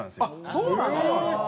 そうなんですよ。